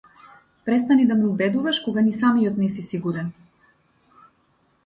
Престани да ме убедуваш кога ни самиот не си сигурен.